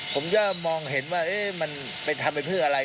ผมจะมองเห็นว่าเอ๊ะมันไปทำไปเพื่ออะไร